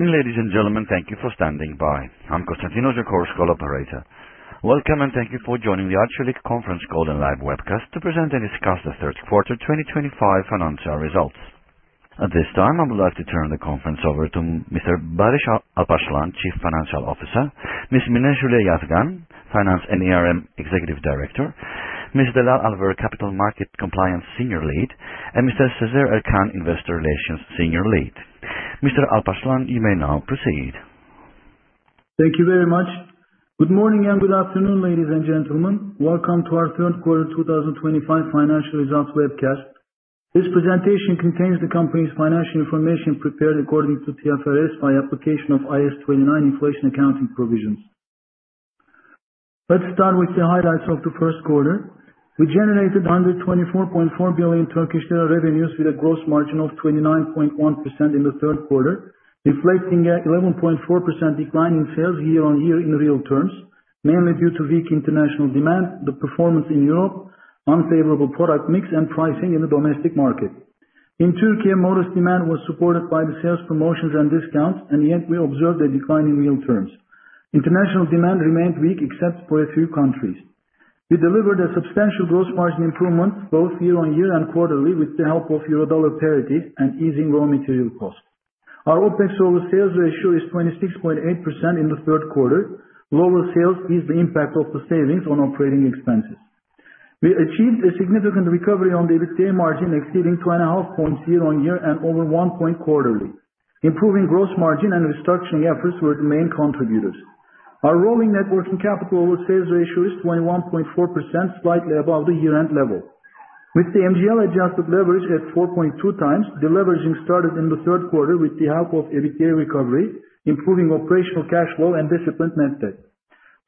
Ladies and gentlemen, thank you for standing by. I'm Konstantinos, your Chorus Call operator. Welcome, and thank you for joining the Arçelik Conference Call in Live Webcast to present and discuss the third quarter 2025 financial results. At this time, I would like to turn the conference over to Mr. Barış Alparslan, Chief Financial Officer, Ms. Mine Şule Yazgan, Finance and Executive Director, Ms. Delal Alver, Capital Market Compliance Senior Lead, and Mr. Sezer Ercan, Investor Relations Senior Lead. Mr. Alparslan, you may now proceed. Thank you very much. Good morning and good afternoon, ladies and gentlemen. Welcome to our third quarter 2025 financial results webcast. This presentation contains the company's financial information prepared according to TFRS by application of IAS 29 Inflation Accounting Provisions. Let's start with the highlights of the first quarter. We generated 124.4 billion Turkish lira revenues with a gross margin of 29.1% in the third quarter, reflecting an 11.4% decline in sales year-on-year in real terms, mainly due to weak international demand, the performance in Europe, unfavorable product mix, and pricing in the domestic market. In Türkiye, modest demand was supported by the sales promotions and discounts, and yet we observed a decline in real terms. International demand remained weak, except for a few countries. We delivered a substantial gross margin improvement, both year-on-year and quarterly, with the help of Euro/Dollar parity and easing raw material costs. Our OpEx over sales ratio is 26.8% in the third quarter. Lower sales eased the impact of the savings on operating expenses. We achieved a significant recovery on the EBITDA margin, exceeding 2.5% year-on-year and over one point quarterly. Improving gross margin and restructuring efforts were the main contributors. Our rolling net working capital over sales ratio is 21.4%, slightly above the year-end level. With the MGL adjusted leverage at 4.2x, the leveraging started in the third quarter with the help of EBITDA recovery, improving operational cash flow and disciplined net debt.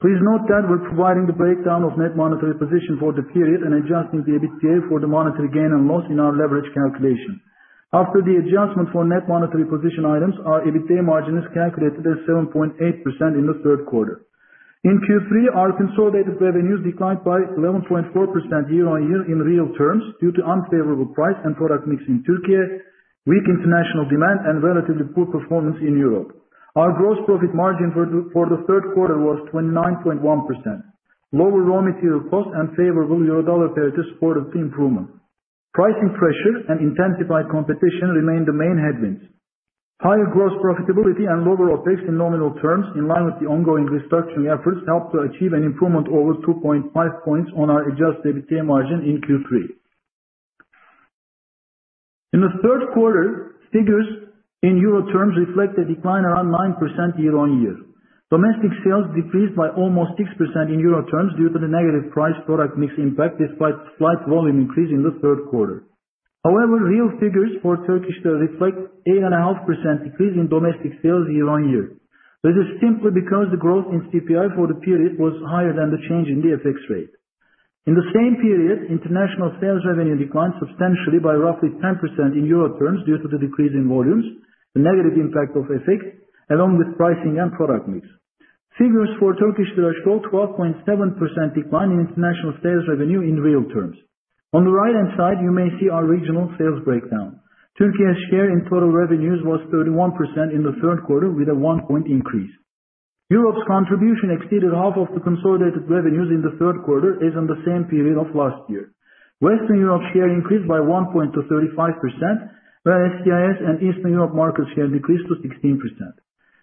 Please note that we're providing the breakdown of net monetary position for the period and adjusting the EBITDA for the monetary gain and loss in our leverage calculation. After the adjustment for net monetary position items, our EBITDA margin is calculated as 7.8% in the third quarter. In Q3, our consolidated revenues declined by 11.4% year-on-year in real terms due to unfavorable price and product mix in Türkiye, weak international demand, and relatively poor performance in Europe. Our gross profit margin for the third quarter was 29.1%. Lower raw material costs and favorable Euro/Dollar parity supported the improvement. Pricing pressure and intensified competition remain the main headwinds. Higher gross profitability and lower OpEx in nominal terms, in line with the ongoing restructuring efforts, helped to achieve an improvement of over 2.5 points on our adjusted EBITDA margin in Q3. In the third quarter, figures in Euro terms reflect a decline around 9% year-on-year. Domestic sales decreased by almost 6% in Euro terms due to the negative price-product mix impact, despite a slight volume increase in the third quarter. However, real figures for Turkish Lira reflect an 8.5% decrease in domestic sales year-on-year. This is simply because the growth in CPI for the period was higher than the change in the FX rate. In the same period, international sales revenue declined substantially by roughly 10% in Euro terms due to the decrease in volumes, the negative impact of FX, along with pricing and product mix. Figures for Turkish Lira show a 12.7% decline in international sales revenue in real terms. On the right-hand side, you may see our regional sales breakdown. Türkiye's share in total revenues was 31% in the third quarter, with a 1-point increase. Europe's contribution exceeded half of the consolidated revenues in the third quarter, as in the same period of last year. Western Europe's share increased by 1.235%, whereas CIS and Eastern Europe market share decreased to 16%.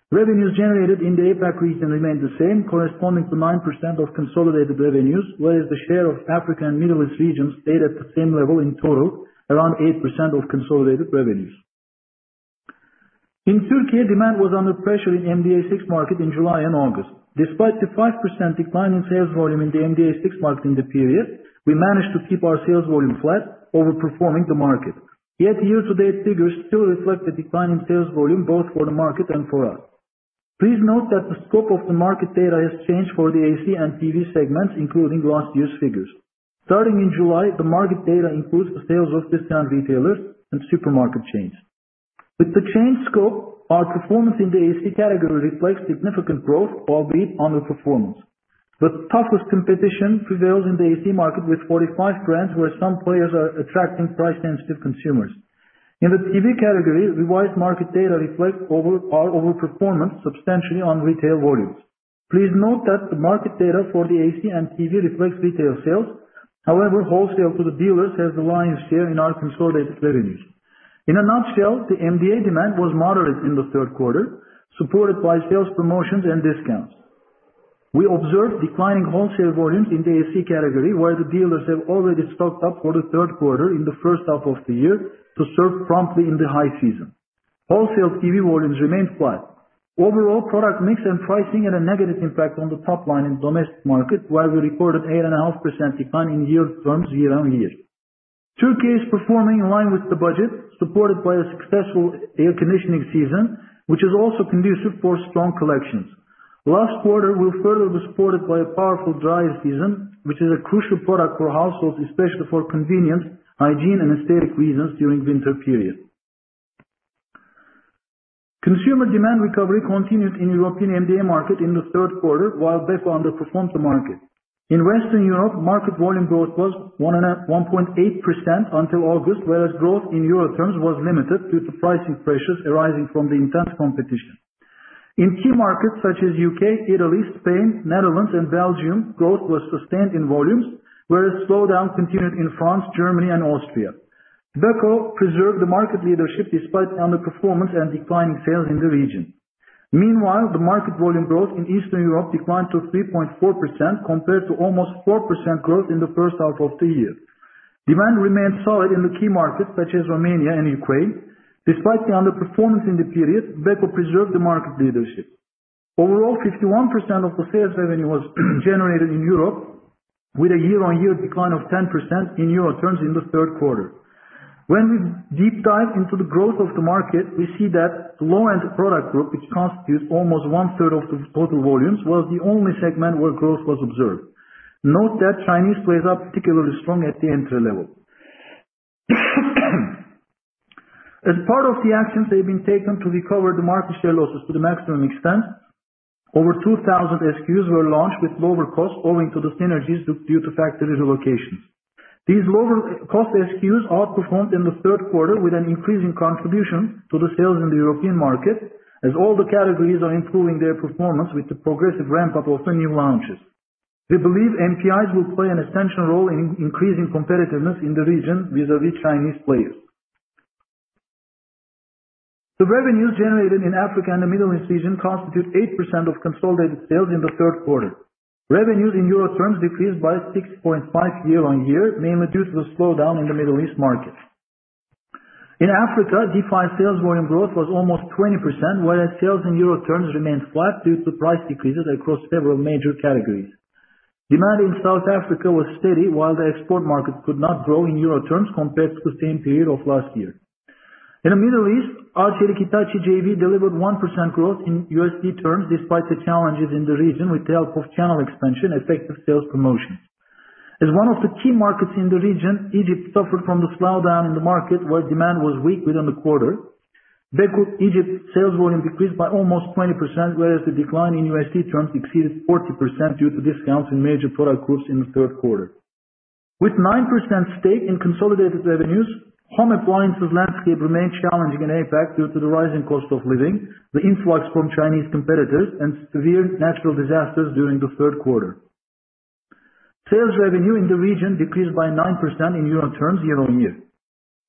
Revenues generated in the APAC region remained the same, corresponding to 9% of consolidated revenues, whereas the share of African and Middle East regions stayed at the same level in total, around 8% of consolidated revenues. In Türkiye, demand was under pressure in the MDA6 market in July and August. Despite the 5% decline in sales volume in the MDA6 market in the period, we managed to keep our sales volume flat, overperforming the market. Yet year-to-date figures still reflect a decline in sales volume, both for the market and for us. Please note that the scope of the market data has changed for the A/C and TV segments, including last year's figures. Starting in July, the market data includes the sales of discount retailers and supermarket chains. With the change scope, our performance in the A/C category reflects significant growth, albeit underperformance. The toughest competition prevails in the A/C market with 45 brands, where some players are attracting price-sensitive consumers. In the TV category, revised market data reflects our overperformance substantially on retail volumes. Please note that the market data for the A/C and TV reflects retail sales, however, wholesale to the dealers has the lion's share in our consolidated revenues. In a nutshell, the MDA demand was moderate in the third quarter, supported by sales promotions and discounts. We observed declining wholesale volumes in the A/C category, where the dealers have already stocked up for the third quarter in the first half of the year to serve promptly in the high season. Wholesale TV volumes remained flat. Overall, product mix and pricing had a negative impact on the top line in the domestic market, where we recorded an 8.5% decline year-over-year. Türkiye is performing in line with the budget, supported by a successful air conditioning season, which is also conducive for strong collections. Last quarter was further supported by a powerful dryer season, which is a crucial product for households, especially for convenience, hygiene, and aesthetic reasons during the winter period. Consumer demand recovery continued in the European MDA market in the third quarter, while Beko underperformed the market. In Western Europe, market volume growth was 1.8% until August, whereas growth in Euro terms was limited due to pricing pressures arising from the intense competition. In key markets such as the U.K., Italy, Spain, Netherlands, and Belgium, growth was sustained in volumes, whereas slowdown continued in France, Germany, and Austria. Beko preserved the market leadership despite underperformance and declining sales in the region. Meanwhile, the market volume growth in Eastern Europe declined to 3.4%, compared to almost 4% growth in the first half of the year. Demand remained solid in the key markets such as Romania and Ukraine. Despite the underperformance in the period, Beko preserved the market leadership. Overall, 51% of the sales revenue was generated in Europe, with a year-on-year decline of 10% in Euro terms in the third quarter. When we deep dive into the growth of the market, we see that the low-end product group, which constitutes almost one-third of the total volumes, was the only segment where growth was observed. Note that Chinese players are particularly strong at the entry level. As part of the actions that have been taken to recover the market share losses to the maximum extent, over 2,000 SKUs were launched with lower costs, owing to the synergies due to factory relocations. These lower-cost SKUs outperformed in the third quarter, with an increasing contribution to the sales in the European market, as all the categories are improving their performance with the progressive ramp-up of the new launches. We believe NPIs will play an essential role in increasing competitiveness in the region vis-à-vis Chinese players. The revenues generated in Africa and the Middle East region constitute 8% of consolidated sales in the third quarter. Revenues in Euro terms decreased by 6.5% year-on-year, mainly due to the slowdown in the Middle East market. In Africa, Defy sales volume growth was almost 20%, whereas sales in Euro terms remained flat due to price decreases across several major categories. Demand in South Africa was steady, while the export market could not grow in Euro terms compared to the same period of last year. In the Middle East, Arçelik-Hitachi JV delivered 1% growth in USD terms, despite the challenges in the region with the help of channel expansion and effective sales promotions. As one of the key markets in the region, Egypt suffered from the slowdown in the market, where demand was weak within the quarter. Beko Egypt's sales volume decreased by almost 20%, whereas the decline in USD terms exceeded 40% due to discounts in major product groups in the third quarter. With 9% stake in consolidated revenues, home appliances landscape remained challenging in APAC due to the rising cost of living, the influx from Chinese competitors, and severe natural disasters during the third quarter. Sales revenue in the region decreased by 9% in Euro terms year-on-year.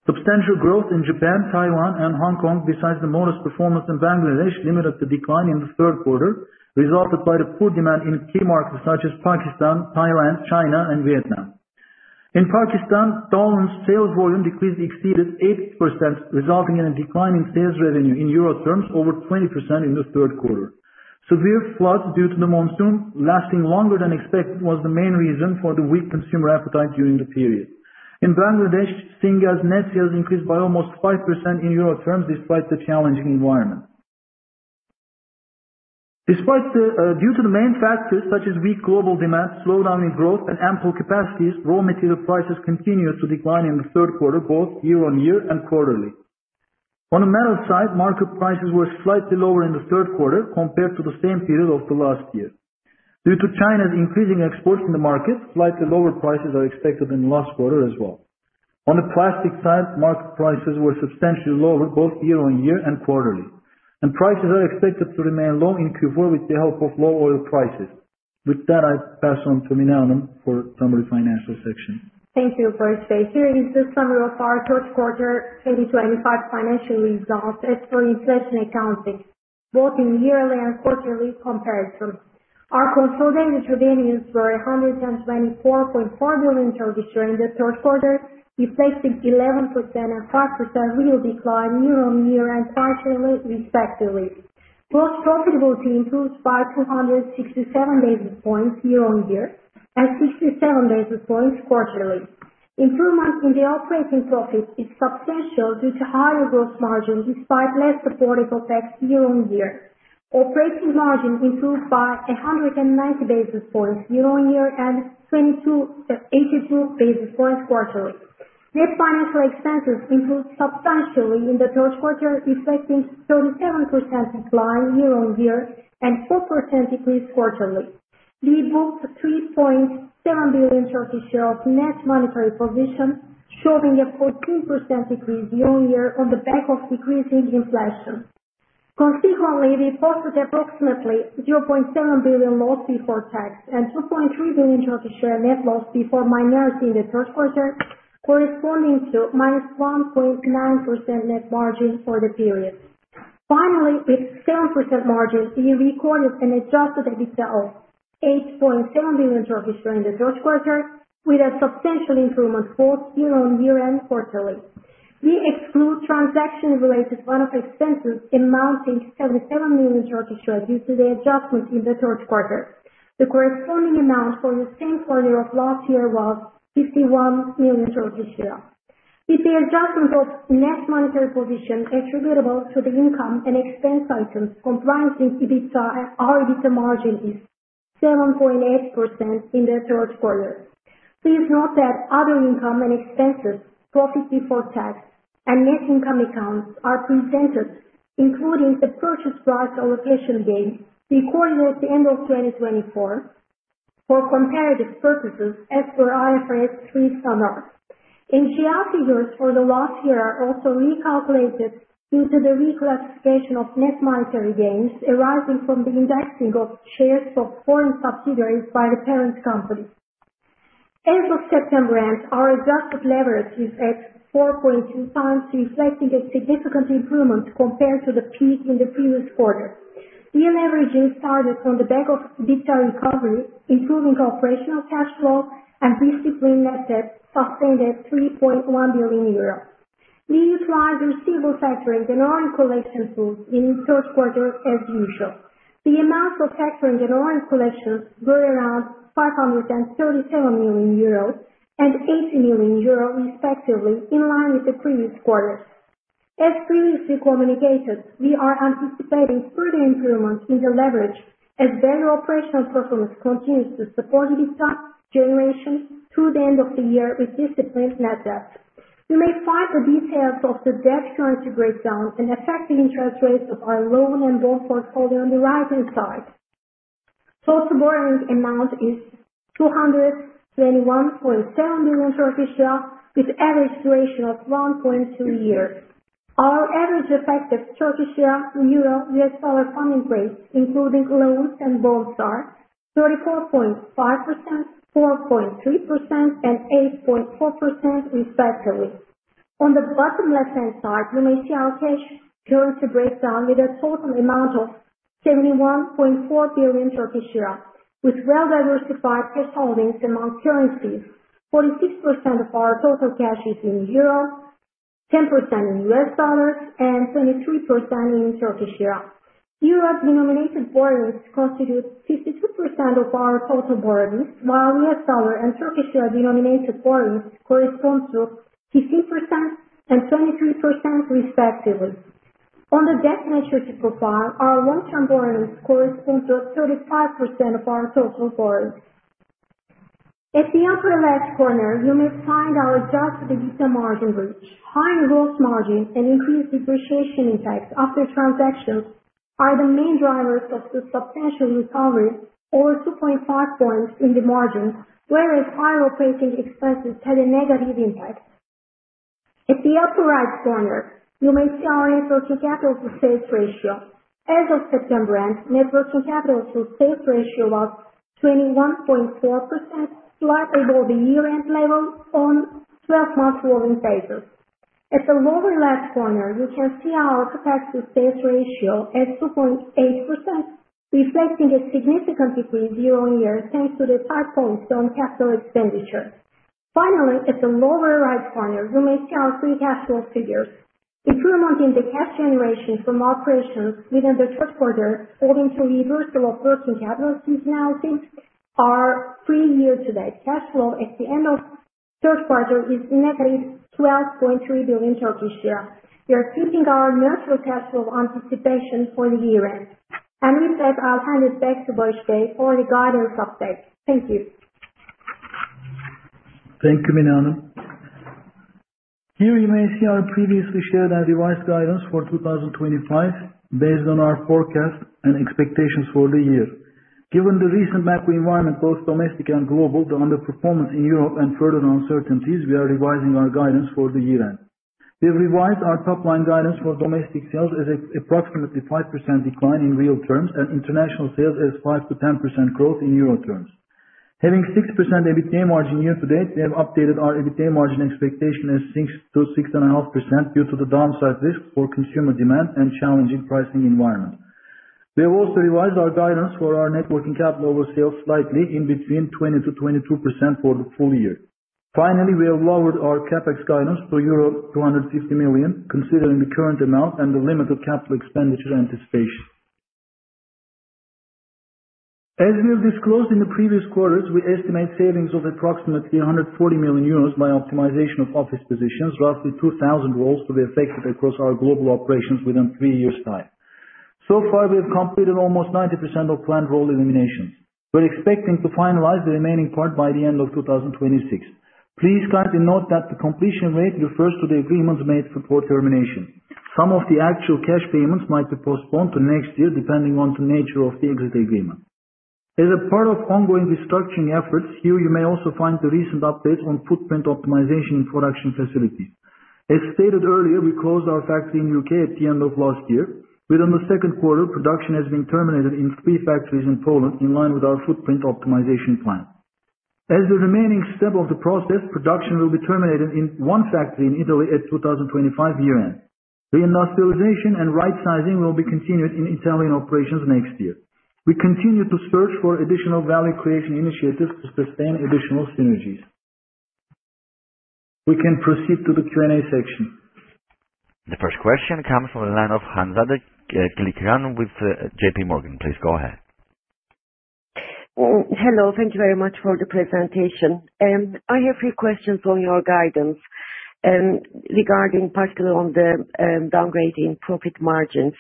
Substantial growth in Japan, Taiwan, and Hong Kong, besides the modest performance in Bangladesh, limited the decline in the third quarter resulting from the poor demand in key markets such as Pakistan, Thailand, China, and Vietnam. In Pakistan, total sales volume decrease exceeded 8%, resulting in a decline in sales revenue in Euro terms over 20% in the third quarter. Severe floods due to the monsoon, lasting longer than expected, was the main reason for the weak consumer appetite during the period. In Bangladesh, Singer's net sales increased by almost 5% in Euro terms, despite the challenging environment. Due to the main factors such as weak global demand, slowdown in growth, and ample capacities, raw material prices continued to decline in the third quarter, both year-on-year and quarterly. On the metals side, market prices were slightly lower in the third quarter compared to the same period of the last year. Due to China's increasing exports in the market, slightly lower prices are expected in the last quarter as well. On the plastic side, market prices were substantially lower, both year-on-year and quarterly, and prices are expected to remain low in Q4 with the help of low oil prices. With that, I pass on to Mine Yazgan for the summary financial section. Thank you, Barış Bey. Here is the summary of our third quarter 2025 financial results as per inflation accounting, both in yearly and quarterly comparisons. Our consolidated revenues were 124.4 billion in the third quarter, reflecting 11% and 5% real decline year-on-year and quarterly, respectively. Gross profitability improved by 267 basis points year-on-year and 67 basis points quarterly. Improvement in the operating profit is substantial due to higher gross margin despite less supportive OpEx year-on-year. Operating margin improved by 190 basis points year-on-year and 82 basis points quarterly. Net financial expenses improved substantially in the third quarter, reflecting 37% decline year-on-year and 4% decrease quarterly. We booked 3.7 billion of net monetary position, showing a 14% decrease year-on-year on the back of decreasing inflation. Consequently, we posted approximately 0.7 billion loss before tax and 2.3 billion net loss before minorities in the third quarter, corresponding to minus 1.9% net margin for the period. Finally, with 7% margin, we recorded an adjusted EBITDA of 8.7 billion in the third quarter, with a substantial improvement both year-on-year and quarterly. We exclude transaction-related one-off expenses amounting to 77 million due to the adjustment in the third quarter. The corresponding amount for the same quarter of last year was TRY 51 million. With the adjustment of net monetary position attributable to the income and expense items included in EBITDA and our EBITDA margin is 7.8% in the third quarter. Please note that other income and expenses, profit before tax, and net income accounts are presented, including the purchase price allocation gain recorded at the end of 2024 for comparative purposes as per IFRS 3 standard. MGL figures for the last year are also recalculated due to the reclassification of net monetary gains arising from the indexing of shares of foreign subsidiaries by the parent company. As of September end, our adjusted leverage is at 4.2 times, reflecting a significant improvement compared to the peak in the previous quarter. Deleveraging started on the back of EBITDA recovery, improving operational cash flow, and disciplined assets sustained at EUR 3.1 billion. We utilized receivables factoring and earnings collection tools in the third quarter as usual. The amounts of factoring and earnings collections were around 537 million euros and 80 million euros, respectively, in line with the previous quarters. As previously communicated, we are anticipating further improvements in the leverage as better operational performance continues to support EBITDA generation through the end of the year with disciplined net debt. You may find the details of the debt current breakdown and effective interest rates of our loan and bond portfolio on the right-hand side. Total borrowing amount is TRY 221.7 billion, with average duration of 1.2 years. Our average effective Turkish Lira/Euro/U.S. Dollar funding rates, including loans and bonds, are 34.5%, 4.3%, and 8.4%, respectively. On the bottom left-hand side, you may see our cash current breakdown with a total amount of 71.4 billion Turkish lira, with well-diversified cash holdings among currencies. 46% of our total cash is in Euro, 10% in U.S. dollars, and 23% in Turkish Lira. Euro-denominated borrowings constitute 52% of our total borrowings, while U.S. Dollar and Turkish Lira-denominated borrowings correspond to 15% and 23%, respectively. On the debt maturity profile, our long-term borrowings correspond to 35% of our total borrowings. At the upper left corner, you may find our adjusted EBITDA margin reach. Higher gross margin and increased depreciation impacts after transactions are the main drivers of the substantial recovery, over 2.5 points in the margin, whereas higher operating expenses had a negative impact. At the upper right corner, you may see our net working capital to sales ratio. As of September end, net working capital to sales ratio was 21.4%, slightly above the year-end level on 12-month rolling basis. At the lower left corner, you can see our CapEx to sales ratio at 2.8%, reflecting a significant decrease year-on-year thanks to the 5 points on capital expenditure. Finally, at the lower right corner, you may see our free cash flow figures. Improvement in the cash generation from operations within the third quarter, owing to reversal of working capital seasonality. Our year-to-date cash flow at the end of the third quarter is negative 12.3 billion, exceeding our neutral cash flow anticipation for the year-end. And with that, I'll hand it back to Barış Bey for the guidance update. Thank you. Thank you, Mine Yazgan. Here you may see our previously shared and revised guidance for 2025 based on our forecast and expectations for the year. Given the recent macro environment, both domestic and global, the underperformance in Europe and further uncertainties, we are revising our guidance for the year-end. We have revised our top-line guidance for domestic sales as an approximately 5% decline in real terms and international sales as 5%-10% growth in Euro terms. Having 6% EBITDA margin year-to-date, we have updated our EBITDA margin expectation as 6%-6.5% due to the downside risk for consumer demand and challenging pricing environment. We have also revised our guidance for our net working capital over sales slightly, in between 20%-22% for the full year. Finally, we have lowered our CapEx guidance to euro 250 million, considering the current amount and the limited capital expenditure anticipation. As we have disclosed in the previous quarters, we estimate savings of approximately 140 million euros by optimization of office positions, roughly 2,000 roles to be affected across our global operations within three years' time. So far, we have completed almost 90% of planned role eliminations. We're expecting to finalize the remaining part by the end of 2026. Please kindly note that the completion rate refers to the agreements made before termination. Some of the actual cash payments might be postponed to next year, depending on the nature of the exit agreement. As a part of ongoing restructuring efforts, here you may also find the recent updates on footprint optimization in production facilities. As stated earlier, we closed our factory in the U.K. at the end of last year. Within the second quarter, production has been terminated in three factories in Poland, in line with our footprint optimization plan. As the remaining step of the process, production will be terminated in one factory in Italy at 2025 year-end. Reindustrialization and right-sizing will be continued in Italian operations next year. We continue to search for additional value creation initiatives to sustain additional synergies. We can proceed to the Q&A section. The first question comes from the line of Hanzade Kılıçkıran with J.P. Morgan. Please go ahead. Hello. Thank you very much for the presentation. I have three questions on your guidance regarding particularly on the downgrade in profit margins.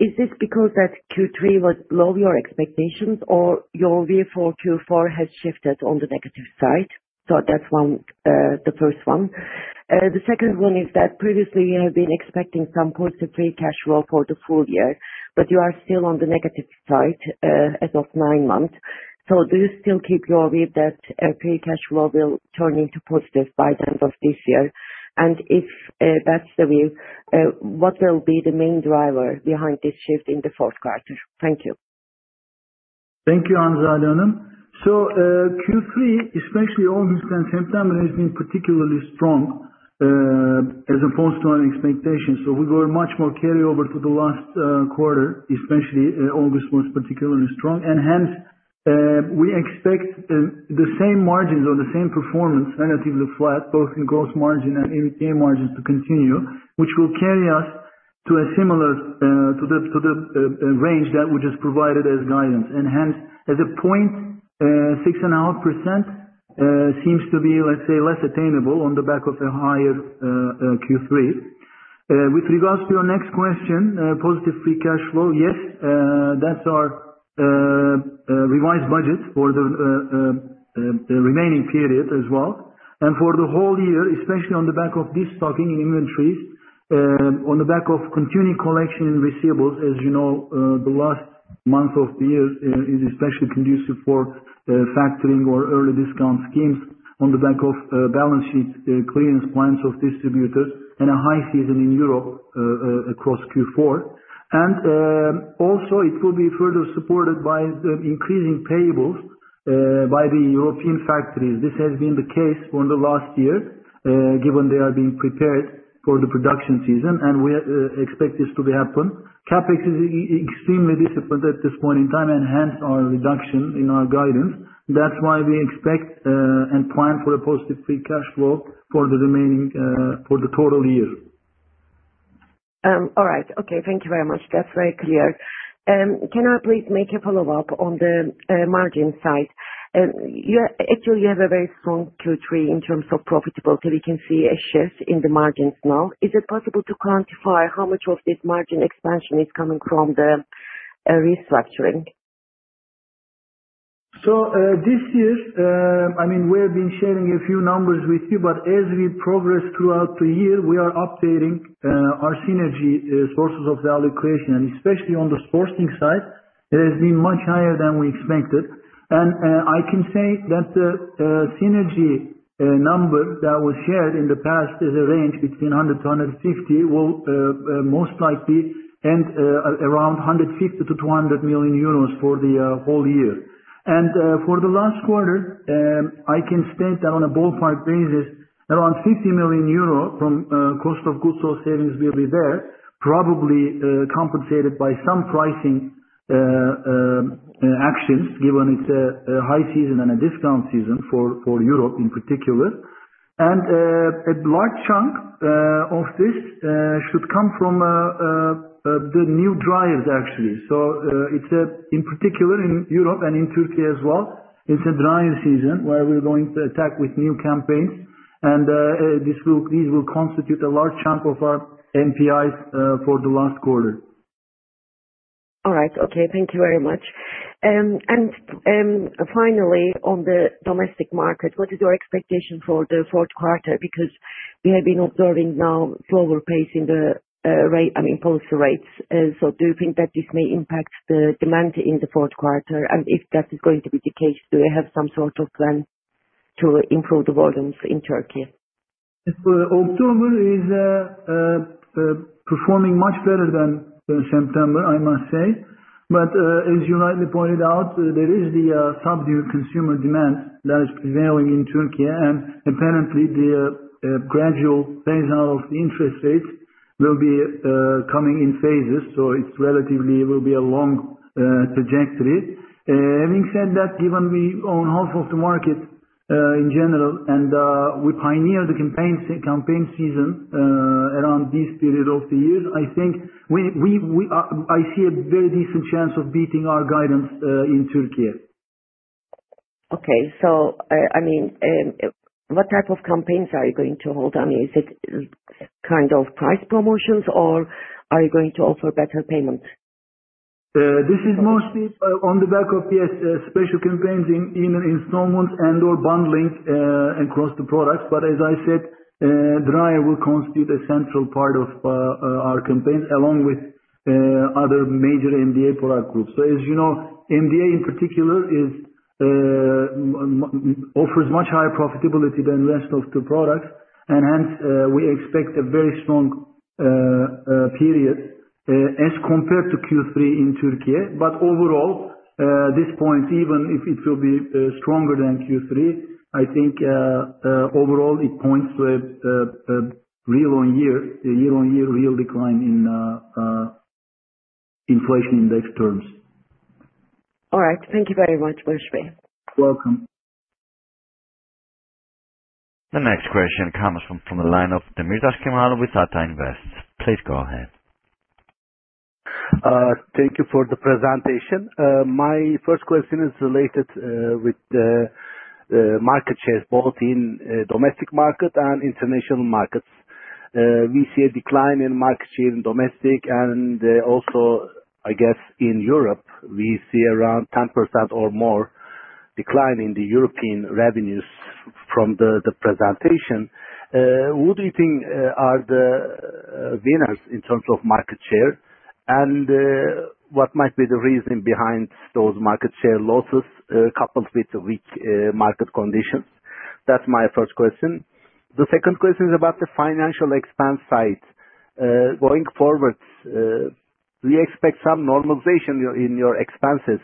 Is this because that Q3 was below your expectations, or your view for Q4 has shifted on the negative side? So that's the first one. The second one is that previously you have been expecting some positive free cash flow for the full year, but you are still on the negative side as of nine months. So do you still keep your view that free cash flow will turn into positive by the end of this year? And if that's the view, what will be the main driver behind this shift in the fourth quarter? Thank you. Thank you, Hanzade Hanım. So Q3, especially August and September, has been particularly strong as opposed to our expectations. So we were much more carryover to the last quarter, especially August was particularly strong. And hence, we expect the same margins or the same performance, relatively flat, both in gross margin and EBITDA margins to continue, which will carry us to a similar range that we just provided as guidance. And hence, as a point, 6.5% seems to be, let's say, less attainable on the back of a higher Q3. With regards to your next question, positive free cash flow, yes, that's our revised budget for the remaining period as well. And for the whole year, especially on the back of destocking in inventories, on the back of continuing collection in receivables, as you know, the last month of the year is especially conducive for factoring or early discount schemes on the back of balance sheet clearance plans of distributors and a high season in Europe across Q4. And also, it will be further supported by the increasing payables by the European factories. This has been the case for the last year, given they are being prepared for the production season, and we expect this to happen. CapEx is extremely disciplined at this point in time, and hence our reduction in our guidance. That's why we expect and plan for a positive free cash flow for the total year. All right. Okay. Thank you very much. That's very clear. Can I please make a follow-up on the margin side? Actually, you have a very strong Q3 in terms of profitability. We can see a shift in the margins now. Is it possible to quantify how much of this margin expansion is coming from the restructuring? So this year, I mean, we have been sharing a few numbers with you, but as we progress throughout the year, we are updating our synergy sources of value creation, and especially on the sourcing side, it has been much higher than we expected. And I can say that the synergy number that was shared in the past is a range between 100-150, most likely, and around 150-200 million euros for the whole year. And for the last quarter, I can state that on a ballpark basis, around 50 million euro from cost of goods or savings will be there, probably compensated by some pricing actions, given it's a high season and a discount season for Europe in particular. And a large chunk of this should come from the new drivers, actually. So it's in particular in Europe and in Turkey as well. It's a drying season where we're going to attack with new campaigns, and these will constitute a large chunk of our NPIs for the last quarter. All right. Okay. Thank you very much, and finally, on the domestic market, what is your expectation for the fourth quarter? Because we have been observing now slower pace in the, I mean, policy rates, so do you think that this may impact the demand in the fourth quarter, and if that is going to be the case, do you have some sort of plan to improve the volumes in Turkey? For October, we are performing much better than September, I must say. But as you rightly pointed out, there is the subdued consumer demand that is prevailing in Turkey, and apparently, the gradual phase-out of the interest rates will be coming in phases. So it's relatively will be a long trajectory. Having said that, given we own half of the market in general and we pioneer the campaign season around this period of the year, I think I see a very decent chance of beating our guidance in Turkey. Okay, so I mean, what type of campaigns are you going to hold? I mean, is it kind of price promotions, or are you going to offer better payment? This is mostly on the back of, yes, special campaigns in installments and/or bundling across the products, but as I said, dryer will constitute a central part of our campaigns along with other major MDA product groups, so as you know, MDA in particular offers much higher profitability than the rest of the products, and hence, we expect a very strong period as compared to Q3 in Turkey, but overall, this point, even if it will be stronger than Q3, I think overall it points to a real on-year, year-on-year real decline in inflation index terms. All right. Thank you very much, Barış Bey. You're welcome. The next question comes from the line of Cemal Demirtaş with Ata Invest. Please go ahead. Thank you for the presentation. My first question is related with the market share, both in domestic market and international markets. We see a decline in market share in domestic and also, I guess, in Europe. We see around 10% or more decline in the European revenues from the presentation. Who do you think are the winners in terms of market share? And what might be the reason behind those market share losses coupled with weak market conditions? That's my first question. The second question is about the financial expense side. Going forward, do you expect some normalization in your expenses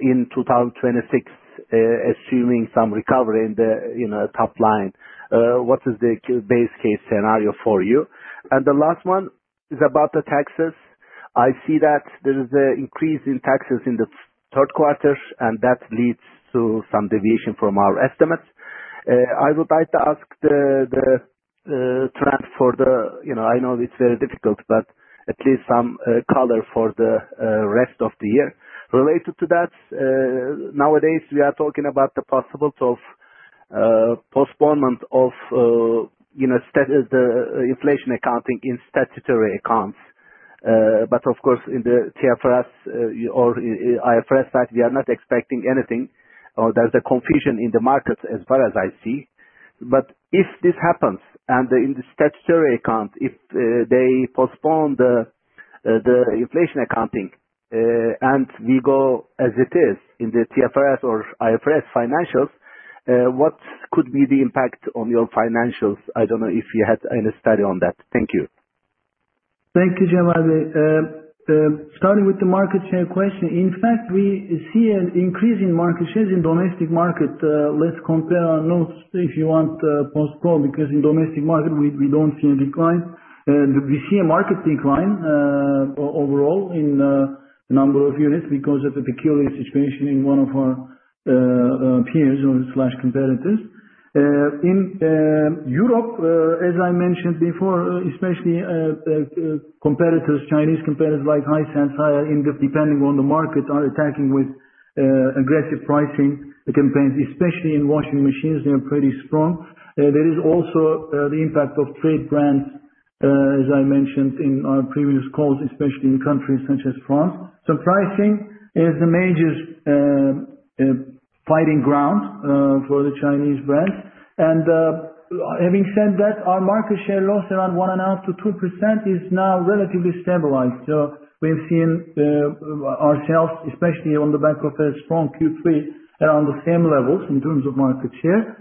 in 2026, assuming some recovery in the top line? What is the base case scenario for you? And the last one is about the taxes. I see that there is an increase in taxes in the third quarter, and that leads to some deviation from our estimates. I would like to ask the trend for the year. I know it's very difficult, but at least some color for the rest of the year. Related to that, nowadays we are talking about the possibility of postponement of the inflation accounting in statutory accounts. But of course, in the TFRS or IFRS side, we are not expecting anything. There's a confusion in the markets as far as I see. But if this happens and in the statutory account, if they postpone the inflation accounting and we go as it is in the TFRS or IFRS financials, what could be the impact on your financials? I don't know if you had any study on that. Thank you. Thank you, Cemal Bey. Starting with the market share question, in fact, we see an increase in market shares in the domestic market. Let's compare our notes if you want postponed because in the domestic market, we don't see a decline. We see a market decline overall in the number of units because of a peculiar situation in one of our peers or competitors. In Europe, as I mentioned before, especially competitors, Chinese competitors like Hisense, Haier, depending on the market, are attacking with aggressive pricing campaigns, especially in washing machines. They are pretty strong. There is also the impact of trade brands, as I mentioned in our previous calls, especially in countries such as France, so pricing is the major fighting ground for the Chinese brands, and having said that, our market share loss around 1.5%-2% is now relatively stabilized. So we have seen ourselves, especially on the back of a strong Q3, around the same levels in terms of market share.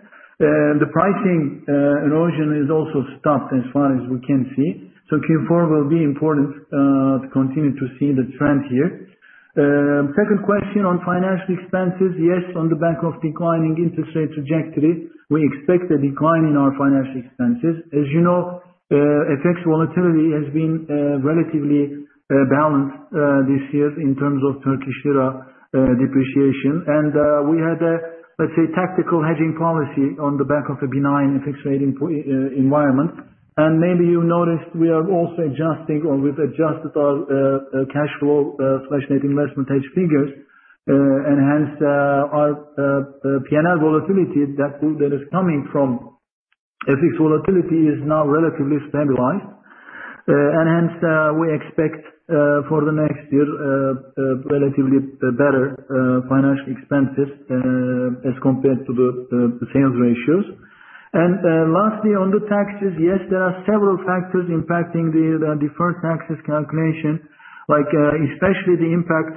The pricing erosion has also stopped as far as we can see. So Q4 will be important to continue to see the trend here. Second question on financial expenses, yes, on the back of declining interest rate trajectory, we expect a decline in our financial expenses. As you know, FX volatility has been relatively balanced this year in terms of Turkish Lira depreciation. And we had a, let's say, tactical hedging policy on the back of a benign FX rating environment. And maybe you noticed we are also adjusting or we've adjusted our cash flow/net investment hedge figures. And hence, our P&L volatility that is coming from FX volatility is now relatively stabilized. And hence, we expect for the next year relatively better financial expenses as compared to the sales ratios. And lastly, on the taxes, yes, there are several factors impacting the deferred taxes calculation, especially the impact,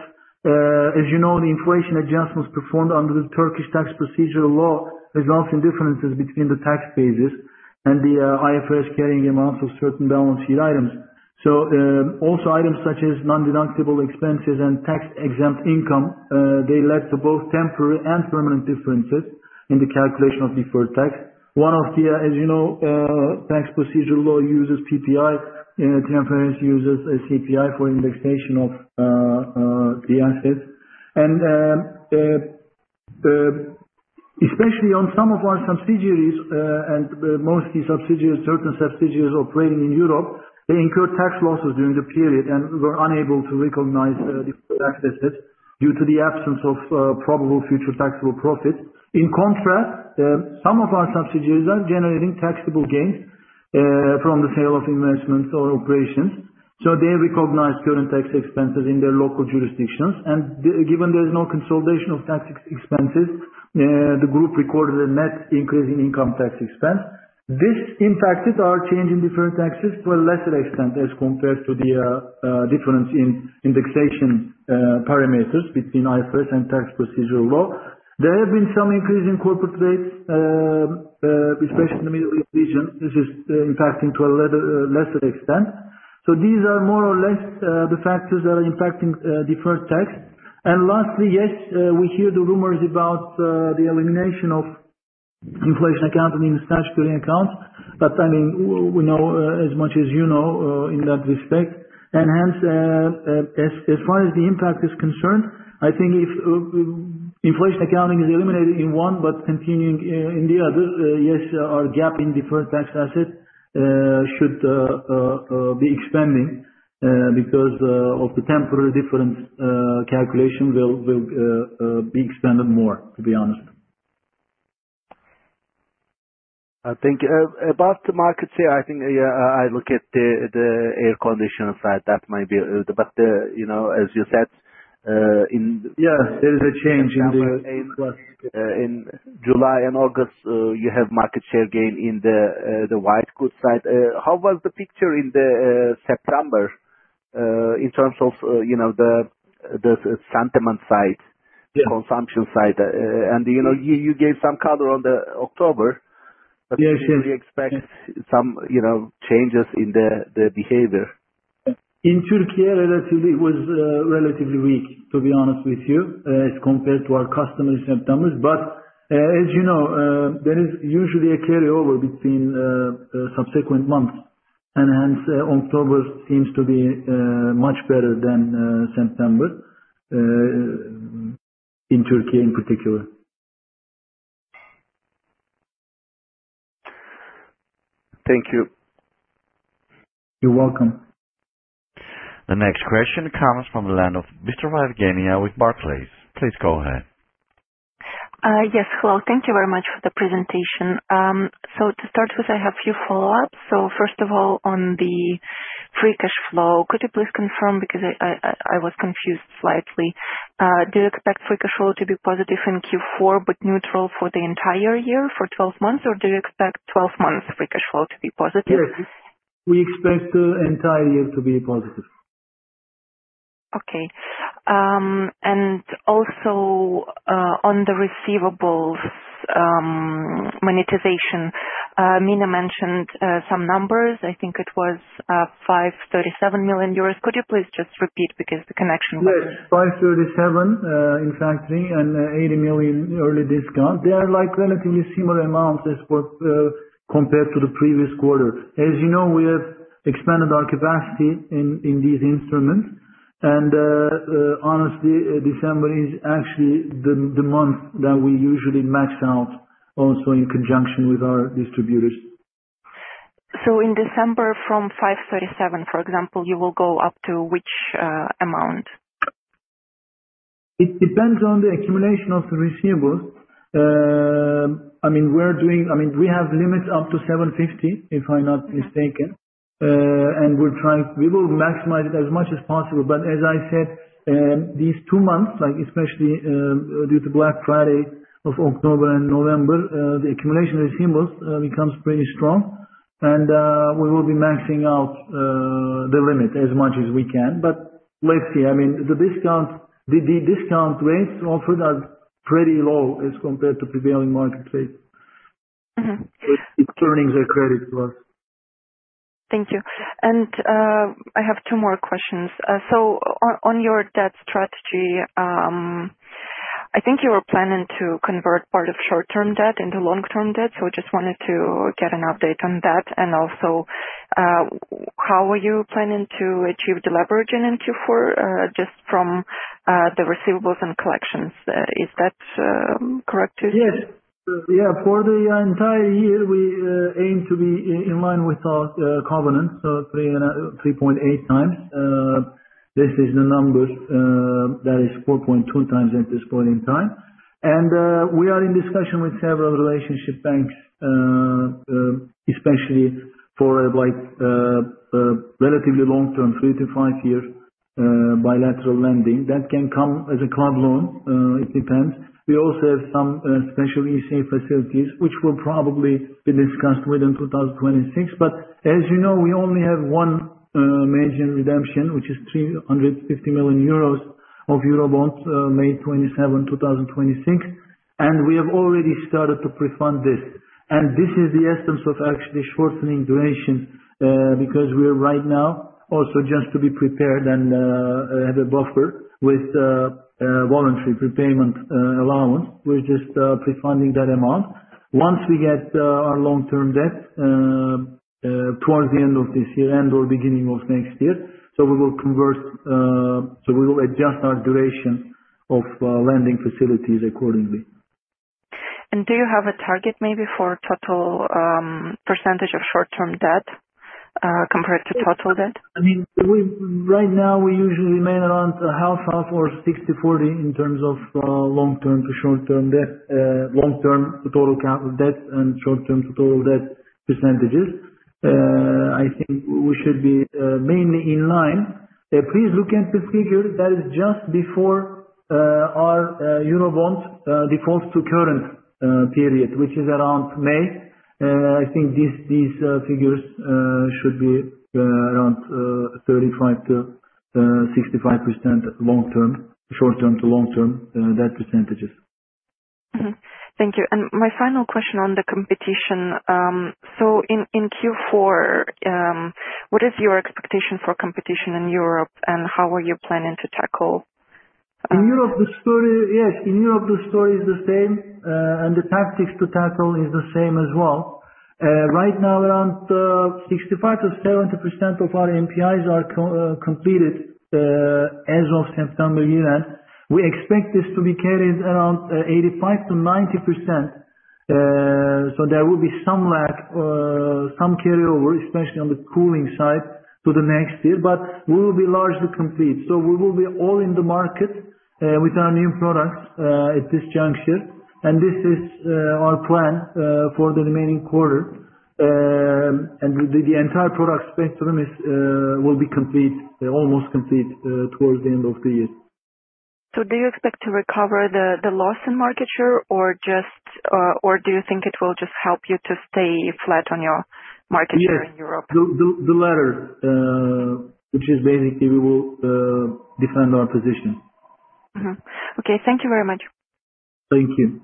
as you know, the inflation adjustments performed under the Turkish Tax Procedural Law results in differences between the tax bases and the IFRS carrying amounts of certain balance sheet items. So also items such as non-deductible expenses and tax-exempt income, they led to both temporary and permanent differences in the calculation of deferred tax. One of the, as you know, Tax Procedural Law uses PPI, TFRS uses CPI for indexation of the assets. And especially on some of our subsidiaries, and mostly subsidiaries, certain subsidiaries operating in Europe, they incurred tax losses during the period and were unable to recognize the tax assets due to the absence of probable future taxable profits. In contrast, some of our subsidiaries are generating taxable gains from the sale of investments or operations. So they recognize current tax expenses in their local jurisdictions. And given there is no consolidation of tax expenses, the group recorded a net increase in income tax expense. This impacted our change in deferred taxes to a lesser extent as compared to the difference in indexation parameters between IFRS and Tax Procedural Law. There have been some increases in corporate rates, especially in the Middle East region. This is impacting to a lesser extent. So these are more or less the factors that are impacting deferred tax. And lastly, yes, we hear the rumors about the elimination of inflation accounting in statutory accounts. But I mean, we know as much as you know in that respect. And hence, as far as the impact is concerned, I think if inflation accounting is eliminated in one but continuing in the other, yes, our gap in deferred tax assets should be expanding because of the temporary difference calculation will be expanded more, to be honest. Thank you. About the market share, I think I look at the air conditioning side. That might be a little bit, but as you said, in. Yeah, there is a change in the. In July and August, you have market share gain in the white goods side. How was the picture in September in terms of the sentiment side, consumption side? And you gave some color on the October, but we expect some changes in the behavior. In Turkey, relatively, it was relatively weak, to be honest with you, as compared to our customers in September. But as you know, there is usually a carryover between subsequent months, and hence, October seems to be much better than September in Turkey in particular. Thank you. You're welcome. The next question comes from the line of Evgeniya Bystrova with Barclays. Please go ahead. Yes, hello. Thank you very much for the presentation. So to start with, I have a few follow-ups. So first of all, on the free cash flow, could you please confirm because I was confused slightly? Do you expect free cash flow to be positive in Q4 but neutral for the entire year for 12 months, or do you expect 12 months free cash flow to be positive? Yes. We expect the entire year to be positive. Okay. And also on the receivables monetization, Mine mentioned some numbers. I think it was 537 million euros. Could you please just repeat because the connection was? Yes, EU 537 in factory and EU 80 million early discount. They are relatively similar amounts as compared to the previous quarter. As you know, we have expanded our capacity in these instruments, and honestly, December is actually the month that we usually max out also in conjunction with our distributors. So in December, from 537, for example, you will go up to which amount? It depends on the accumulation of the receivables. I mean, we have limits up to 750, if I'm not mistaken. And we will maximize it as much as possible. But as I said, these two months, especially due to Black Friday of October and November, the accumulation of receivables becomes pretty strong. And we will be maxing out the limit as much as we can. But let's see. I mean, the discount rates offered are pretty low as compared to prevailing market rates. It's earnings accretive to us. Thank you. And I have two more questions. So on your debt strategy, I think you were planning to convert part of short-term debt into long-term debt. So I just wanted to get an update on that. And also, how are you planning to achieve the leveraging in Q4 just from the receivables and collections? Is that correct? Yes. Yeah. For the entire year, we aim to be in line with our covenant, so 3.8 times. This is the number that is 4.2 times at this point in time, and we are in discussion with several relationship banks, especially for relatively long-term, three-to-five-year bilateral lending. That can come as a club loan. It depends. We also have some special EC facilities, which will probably be discussed within 2026, but as you know, we only have one major redemption, which is 350 million euros of Eurobonds, May 27, 2026, and we have already started to pre-fund this, and this is the essence of actually shortening duration because we are right now also just to be prepared and have a buffer with voluntary prepayment allowance. We're just pre-funding that amount. Once we get our long-term debt towards the end of this year and/or beginning of next year, so we will convert, so we will adjust our duration of lending facilities accordingly. Do you have a target maybe for total percentage of short-term debt compared to total debt? I mean, right now, we usually remain around half-half or 60/40 in terms of long-term to short-term debt, long-term to total debt, and short-term to total debt percentages. I think we should be mainly in line. Please look at the figure that is just before our Eurobond defaults to current period, which is around May. I think these figures should be around 35%-65% long-term, short-term to long-term debt percentages. Thank you. And my final question on the competition. So in Q4, what is your expectation for competition in Europe, and how are you planning to tackle? In Europe, the story yes, in Europe, the story is the same, and the tactics to tackle is the same as well. Right now, around 65%-70% of our NPIs are completed as of September year-end. We expect this to be carried around 85%-90%. So there will be some lag, some carryover, especially on the cooling side to the next year. But we will be largely complete. So we will be all in the market with our new products at this juncture. And this is our plan for the remaining quarter. And the entire product spectrum will be complete, almost complete towards the end of the year. So do you expect to recover the loss in market share, or do you think it will just help you to stay flat on your market share in Europe? Yes, the latter, which is basically we will defend our position. Okay. Thank you very much. Thank you.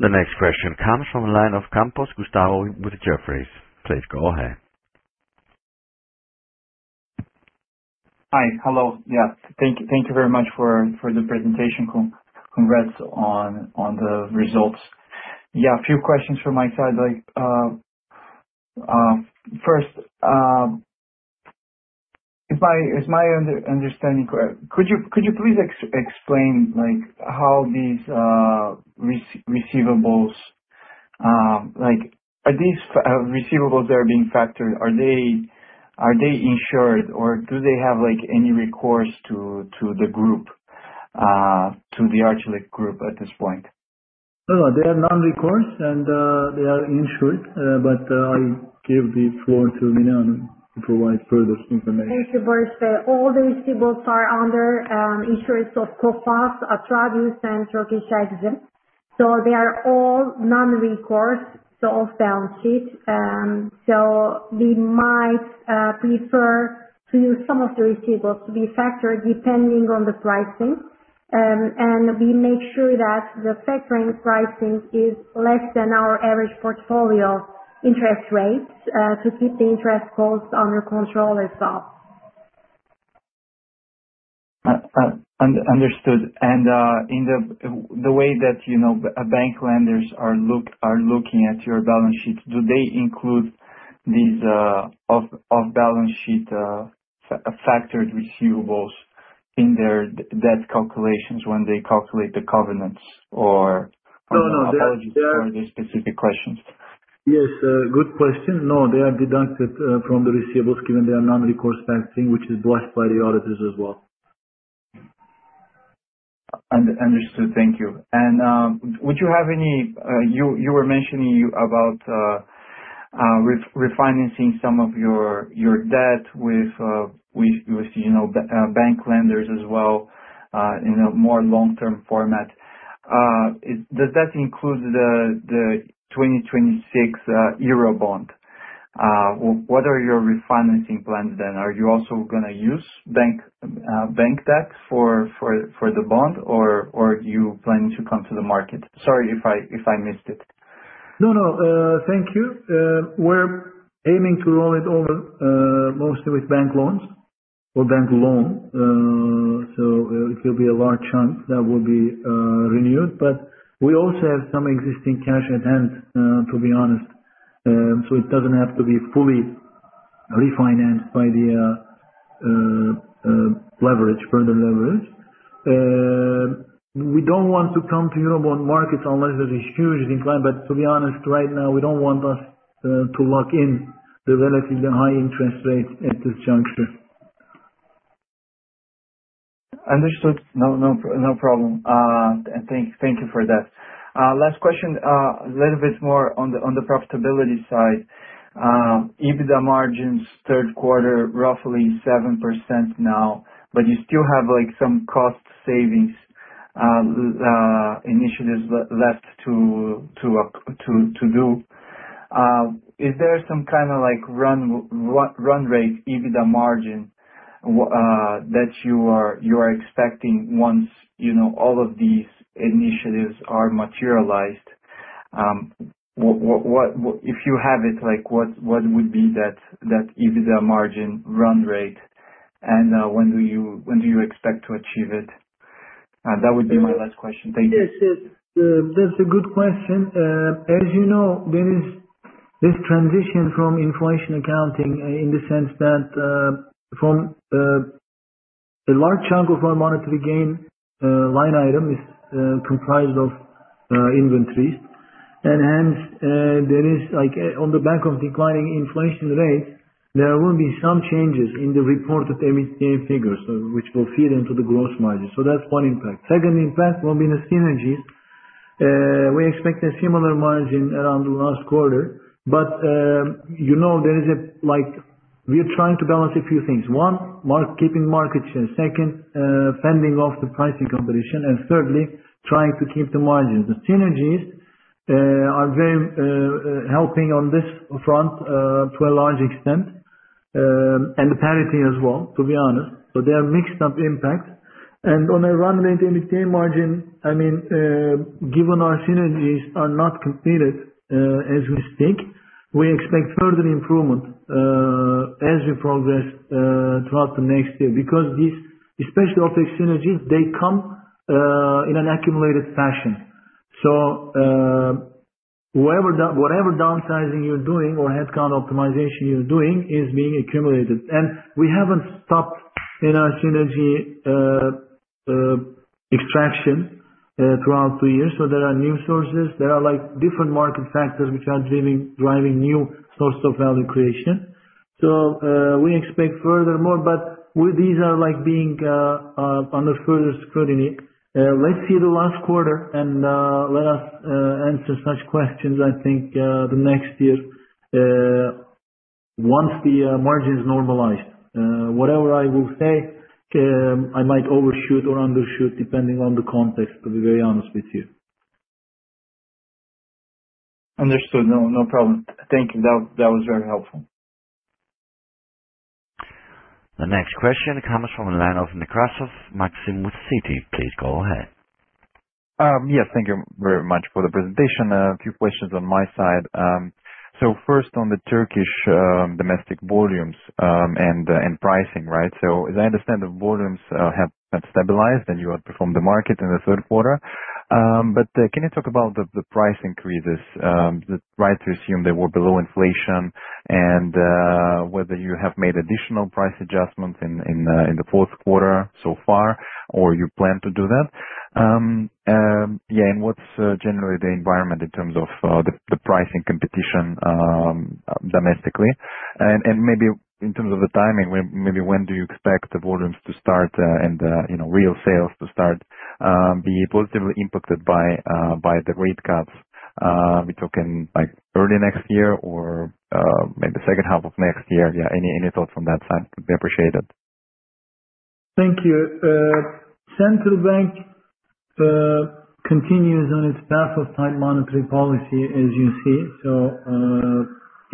The next question comes from the line of Gustavo Campos with Jefferies. Please go ahead. Hi. Hello. Yeah. Thank you very much for the presentation. Congrats on the results. Yeah, a few questions from my side. First, it's my understanding. Could you please explain how these receivables that are being factored are insured, or do they have any recourse to the group, to the Arçelik group at this point? No, no. They are non-recourse, and they are insured. But I give the floor to Mine to provide further information. Thank you, Barış. All the receivables are under insurance of COFACE, Atradius, and Turkish Eximbank, so they are all non-recourse, so off-balance sheet, so we might prefer to use some of the receivables to be factored depending on the pricing, and we make sure that the factoring pricing is less than our average portfolio interest rates to keep the interest cost under control as well. Understood. And in the way that bank lenders are looking at your balance sheet, do they include these off-balance sheet factored receivables in their debt calculations when they calculate the covenants, or apologies for the specific questions? Yes. Good question. No, they are deducted from the receivables given their non-recourse factoring, which is blessed by the auditors as well. Understood. Thank you and would you have any you were mentioning about refinancing some of your debt with bank lenders as well in a more long-term format? Does that include the 2026 Eurobond? What are your refinancing plans then? Are you also going to use bank debt for the bond, or are you planning to come to the market? Sorry if I missed it. No, no. Thank you. We're aiming to roll it over mostly with bank loans or bank loan. So it will be a large chunk that will be renewed. But we also have some existing cash at hand, to be honest. So it doesn't have to be fully refinanced by the leverage, further leverage. We don't want to come to Eurobond markets unless there's a huge decline. But to be honest, right now, we don't want us to lock in the relatively high interest rate at this juncture. Understood. No problem. Thank you for that. Last question, a little bit more on the profitability side. EBITDA margins, third quarter, roughly 7% now, but you still have some cost savings initiatives left to do. Is there some kind of run rate, EBITDA margin, that you are expecting once all of these initiatives are materialized? If you have it, what would be that EBITDA margin run rate, and when do you expect to achieve it? That would be my last question. Thank you. Yes, yes. That's a good question. As you know, there is this transition from inflation accounting in the sense that from a large chunk of our monetary gain line item is comprised of inventories. And hence, on the back of declining inflation rates, there will be some changes in the reported EBITDA figures, which will feed into the gross margin. So that's one impact. Second impact will be the synergies. We expect a similar margin around the last quarter. But there is, we're trying to balance a few things. One, keeping market share. Second, fending off the pricing competition. And thirdly, trying to keep the margins. The synergies are very helping on this front to a large extent. And the parity as well, to be honest. So they are mixed up impact. And on a run rate EBITDA margin, I mean, given our synergies are not completed as we speak, we expect further improvement as we progress throughout the next year because these, especially OpEx synergies, they come in an accumulated fashion. So whatever downsizing you're doing or headcount optimization you're doing is being accumulated. And we haven't stopped in our synergy extraction throughout the year. So there are new sources. There are different market factors which are driving new sources of value creation. So we expect further more. But these are being under further scrutiny. Let's see the last quarter, and let us answer such questions, I think, the next year once the margins normalize. Whatever I will say, I might overshoot or undershoot depending on the context, to be very honest with you. Understood. No problem. Thank you. That was very helpful. The next question comes from the line of Maxim Nekrasov with Citi. Please go ahead. Yes. Thank you very much for the presentation. A few questions on my side. So first, on the Turkish domestic volumes and pricing, right? So as I understand, the volumes have stabilized, and you outperformed the market in the third quarter. But can you talk about the price increases? Right to assume they were below inflation and whether you have made additional price adjustments in the fourth quarter so far, or you plan to do that. Yeah. And what's generally the environment in terms of the pricing competition domestically? And maybe in terms of the timing, maybe when do you expect the volumes to start and retail sales to start be positively impacted by the rate cuts? We're talking early next year or maybe second half of next year. Yeah. Any thoughts on that side? We appreciate it. Thank you. Central Bank continues on its path of tight monetary policy, as you see, so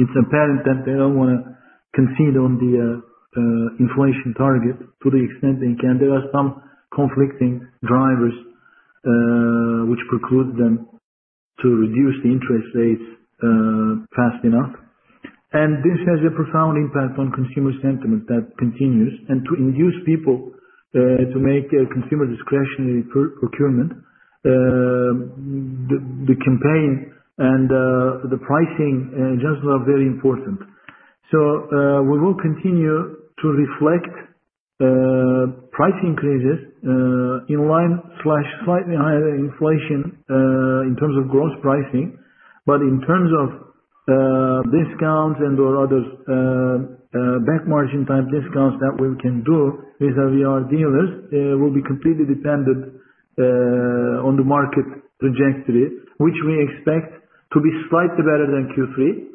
it's apparent that they don't want to concede on the inflation target to the extent they can. There are some conflicting drivers which preclude them to reduce the interest rates fast enough, and this has a profound impact on consumer sentiment that continues, and to induce people to make consumer discretionary procurement, the campaign and the pricing just are very important, so we will continue to reflect price increases in line/slightly higher inflation in terms of gross pricing, but in terms of discounts and/or other back margin type discounts that we can do with our dealers, will be completely dependent on the market trajectory, which we expect to be slightly better than Q3.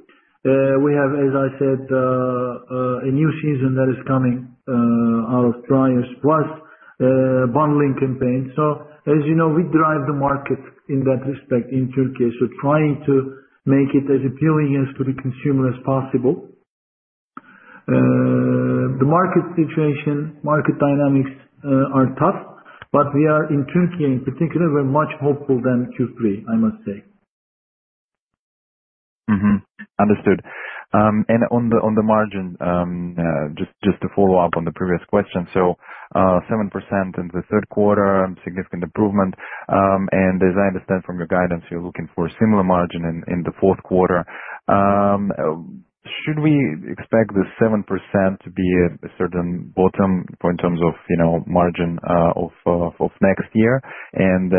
We have, as I said, a new season that is coming out of dryers plus bundling campaigns. So as you know, we drive the market in that respect in Turkey. So trying to make it as appealing to the consumer as possible. The market situation, market dynamics are tough. But we are in Turkey in particular, we're more hopeful than Q3, I must say. Understood. And on the margin, just to follow up on the previous question. So 7% in the third quarter, significant improvement. And as I understand from your guidance, you're looking for a similar margin in the fourth quarter. Should we expect the 7% to be a certain bottom in terms of margin of next year? And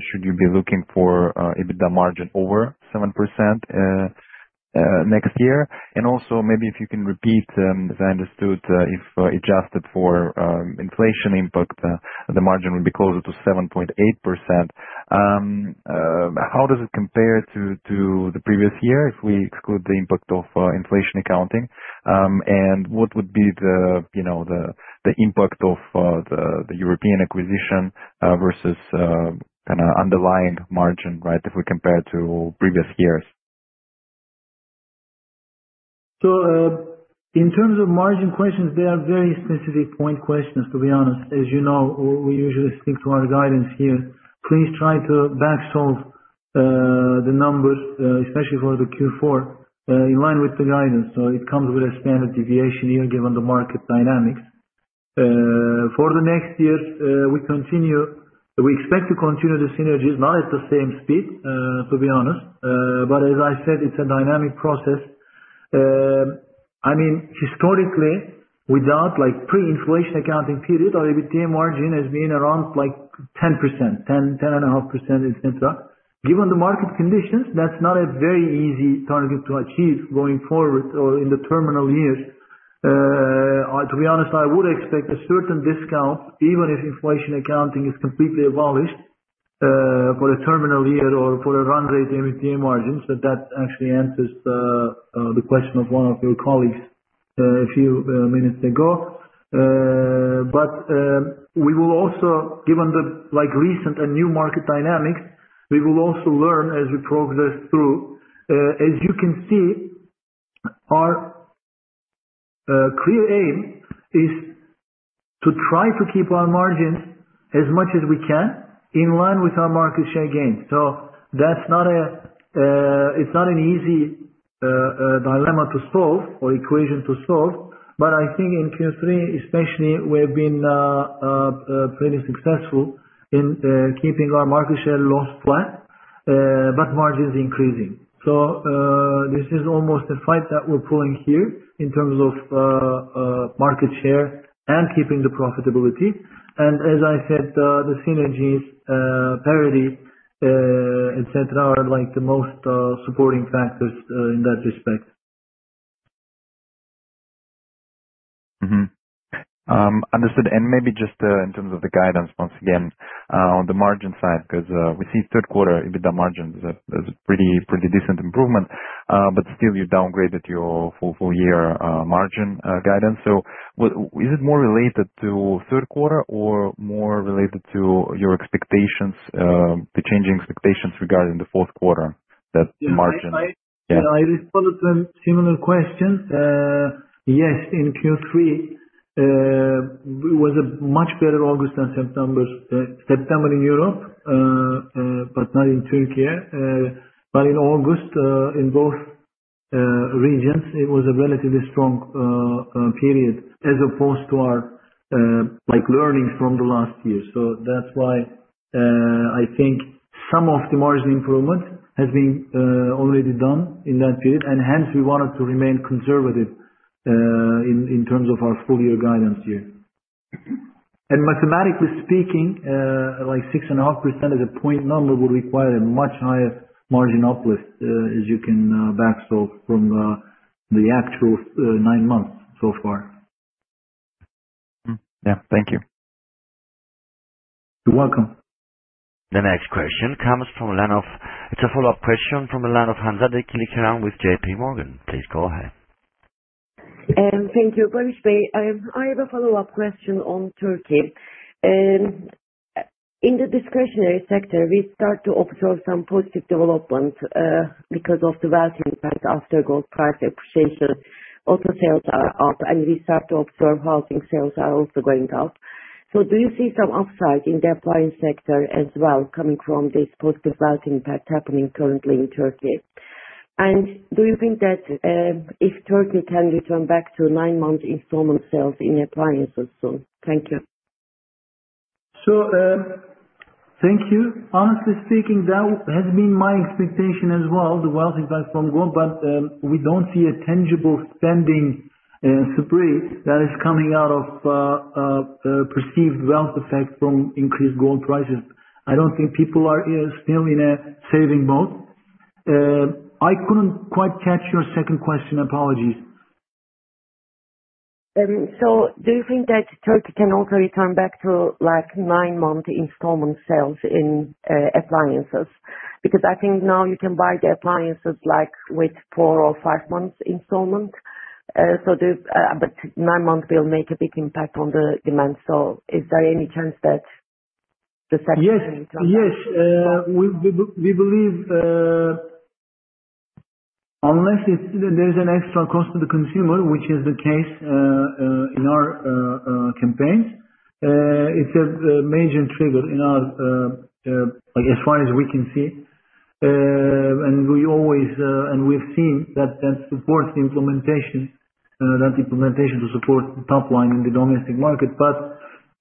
should you be looking for EBITDA margin over 7% next year? And also, maybe if you can repeat, as I understood, if adjusted for inflation impact, the margin would be closer to 7.8%. How does it compare to the previous year if we exclude the impact of inflation accounting? And what would be the impact of the European acquisition versus kind of underlying margin, right, if we compare to previous years? So in terms of margin questions, they are very specific point questions, to be honest. As you know, we usually stick to our guidance here. Please try to backsolve the numbers, especially for the Q4, in line with the guidance. So it comes with a standard deviation here given the market dynamics. For the next year, we expect to continue the synergies, not at the same speed, to be honest. But as I said, it's a dynamic process. I mean, historically, without pre-inflation accounting period, our EBITDA margin has been around 10%, 10.5%, etc. Given the market conditions, that's not a very easy target to achieve going forward or in the terminal years. To be honest, I would expect a certain discount, even if inflation accounting is completely abolished for the terminal year or for the run rate EBITDA margins, but that actually answers the question of one of your colleagues a few minutes ago. But we will also, given the recent and new market dynamics, we will also learn as we progress through. As you can see, our clear aim is to try to keep our margins as much as we can in line with our market share gains. So that's not an easy dilemma to solve or equation to solve. But I think in Q3, especially, we have been pretty successful in keeping our market share loss flat, but margins increasing. So this is almost a fight that we're pulling here in terms of market share and keeping the profitability. And as I said, the synergies, parity, etc., are the most supporting factors in that respect. Understood. And maybe just in terms of the guidance, once again, on the margin side, because we see third quarter EBITDA margin is a pretty decent improvement. But still, you downgraded your full-year margin guidance. So is it more related to third quarter or more related to your expectations, the changing expectations regarding the fourth quarter that margin? I responded to a similar question. Yes, in Q3, it was a much better August than September in Europe, but not in Turkey, but in August, in both regions, it was a relatively strong period as opposed to our learnings from the last year, so that's why I think some of the margin improvement has been already done in that period, and hence, we wanted to remain conservative in terms of our full-year guidance here, and mathematically speaking, 6.5% as a point number would require a much higher margin uplift, as you can backsolve from the actual nine months so far. Yeah. Thank you. You're welcome. The next question comes from the line of. It's a follow-up question from the line of Hanzade Kılıçkıran with J.P. Morgan. Please go ahead. Thank you, Barış Bey. I have a follow-up question on Turkey. In the discretionary sector, we start to observe some positive developments because of the wealth impact after gold price appreciation. Auto sales are up, and we start to observe housing sales are also going up. So do you see some upside in the appliance sector as well coming from this positive wealth impact happening currently in Turkey? And do you think that if Turkey can return back to nine-month installment sales in appliances soon? Thank you. So thank you. Honestly speaking, that has been my expectation as well, the wealth impact from gold. But we don't see a tangible spending spree that is coming out of perceived wealth effect from increased gold prices. I don't think people are still in a saving mode. I couldn't quite catch your second question. Apologies. So do you think that Turkey can also return back to nine-month installment sales in appliances? Because I think now you can buy the appliances with four- or five-month installment. But nine-month will make a big impact on the demand. So is there any chance that the second quarter will return? Yes. Yes. We believe unless there's an extra cost to the consumer, which is the case in our campaigns, it's a major trigger in ours, as far as we can see, and we always and we've seen that supports the implementation, that implementation to support the top line in the domestic market,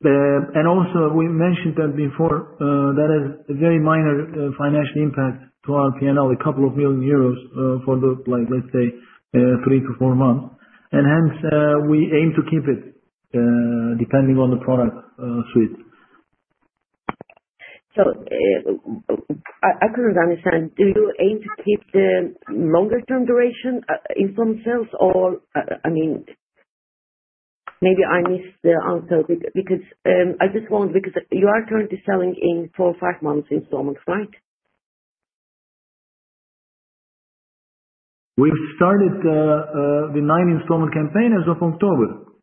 and also, we mentioned that before, that has a very minor financial impact to our P&L, 2 million euros for the, let's say, 3-4 months, and hence, we aim to keep it depending on the product suite. So I couldn't understand. Do you aim to keep the longer-term duration installment sales or I mean, maybe I missed the answer because I just want because you are currently selling in four or five-month installments, right? We've started the nine-installment campaign as of October.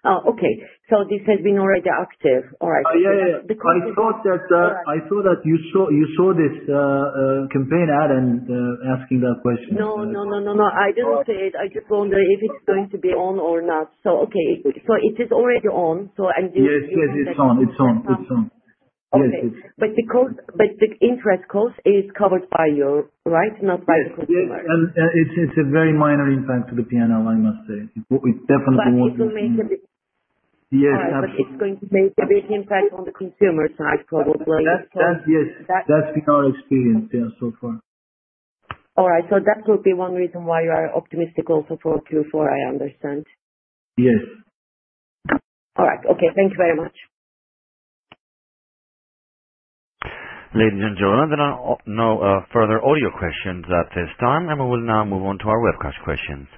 Oh, okay. So this has been already active. All right. Yeah, yeah, yeah. I thought that you saw this campaign ad and asking that question. No, no, no, no, no. I didn't say it. I just wonder if it's going to be on or not. So, okay. So it is already on. So and you see? Yes, it's on. But the interest cost is covered by you, right? Not by the consumer? Yes, and it's a very minor impact to the P&L, I must say. We definitely want to. But it will make a big impact. Yes, absolutely. But it's going to make a big impact on the consumer side, probably. Yes. That's been our experience, yeah, so far. All right. So that would be one reason why you are optimistic also for Q4, I understand. Yes. All right. Okay. Thank you very much. Ladies and gentlemen, there are no further audio questions at this time, and we will now move on to our webcast questions.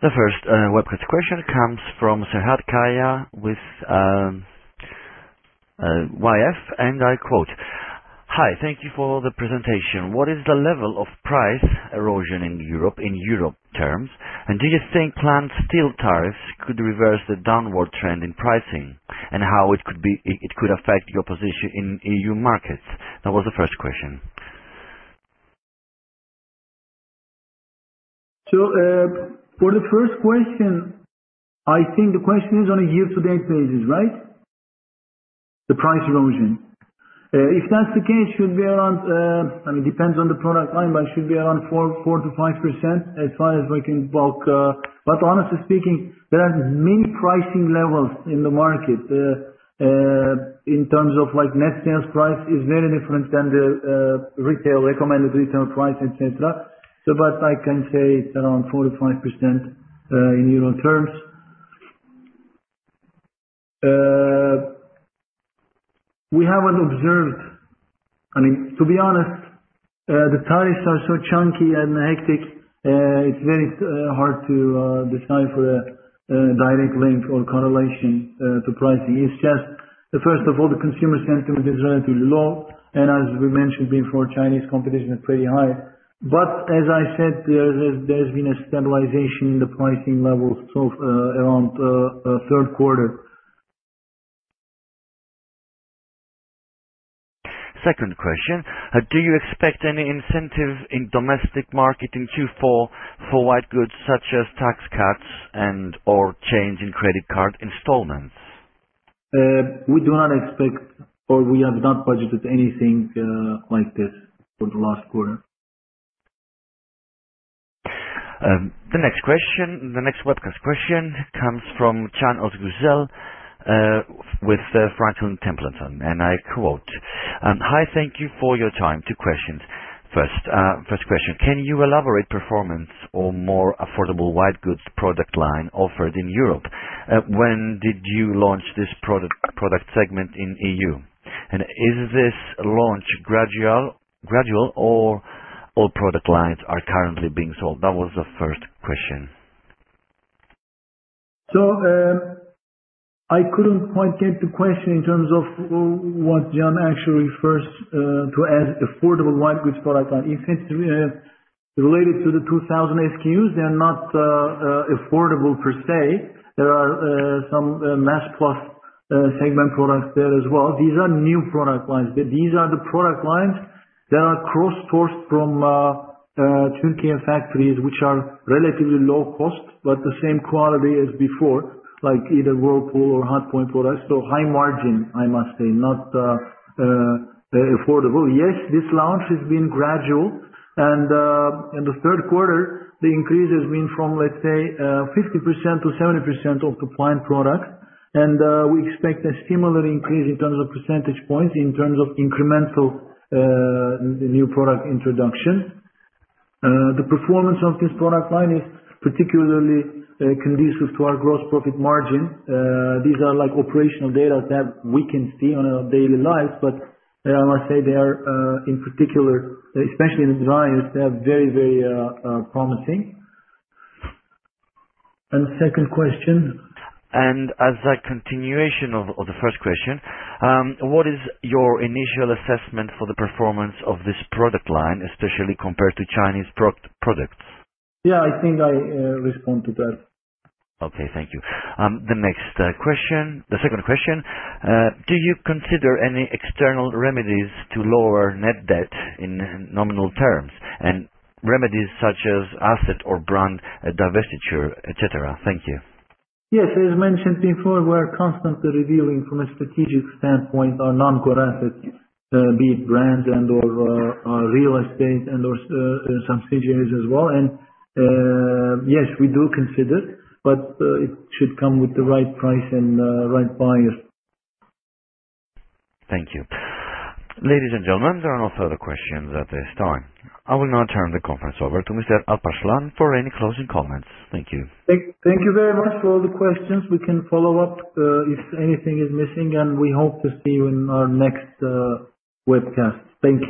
The first webcast question comes from Serhat Kaya with YF, and I quote, "Hi, thank you for the presentation. What is the level of price erosion in Europe in Euro terms? And do you think planned steel tariffs could reverse the downward trend in pricing and how it could affect your position in EU markets?" That was the first question. So for the first question, I think the question is on a year-to-date basis, right? The price erosion. If that's the case, it should be around. I mean, it depends on the product line, but it should be around 4%-5% as far as we can bulk. But honestly speaking, there are many pricing levels in the market in terms of net sales price is very different than the retail recommended retail price, etc. But I can say it's around 4%-5% in Euro terms. We haven't observed. I mean, to be honest, the tariffs are so chunky and hectic, it's very hard to decipher a direct link or correlation to pricing. It's just, first of all, the consumer sentiment is relatively low, and as we mentioned before, Chinese competition is pretty high. But as I said, there has been a stabilization in the pricing levels around third quarter. Second question. Do you expect any incentive in domestic market in Q4 for white goods such as tax cuts and/or change in credit card installments? We do not expect or we have not budgeted anything like this for the last quarter. The next question, the next webcast question comes from Can Özgüzel with Franklin Templeton. And I quote, "Hi, thank you for your time. Two questions. First question. Can you elaborate performance or more affordable white goods product line offered in Europe? When did you launch this product segment in EU? And is this launch gradual or all product lines are currently being sold?" That was the first question. So I couldn't quite get the question in terms of what Can actually refers to as affordable white goods product line. If it's related to the 2000 SKUs, they're not affordable per se. There are some mass-plus segment products there as well. These are new product lines. These are the product lines that are cross-sourced from Turkey and factories, which are relatively low cost, but the same quality as before, like either Whirlpool or Hotpoint products. So high margin, I must say, not affordable. Yes, this launch has been gradual. And in the third quarter, the increase has been from, let's say, 50%-70% of the planned product. And we expect a similar increase in terms of percentage points in terms of incremental new product introduction. The performance of this product line is particularly conducive to our gross profit margin. These are operational data that we can see on our daily lives, but I must say they are, in particular, especially in the Indesit, they are very, very promising, and the second question. As a continuation of the first question, what is your initial assessment for the performance of this product line, especially compared to Chinese products? Yeah, I think I respond to that. Okay. Thank you. The next question, the second question. Do you consider any external remedies to lower net debt in nominal terms and remedies such as asset or brand divestiture, etc.? Thank you. Yes. As mentioned before, we are constantly reviewing from a strategic standpoint our non-core assets, be it brands and/or real estate and/or subsidiaries as well. And yes, we do consider it, but it should come with the right price and right buyers. Thank you. Ladies and gentlemen, there are no further questions at this time. I will now turn the conference over to Mr. Alparslan for any closing comments. Thank you. Thank you very much for all the questions. We can follow up if anything is missing, and we hope to see you in our next webcast. Thank you.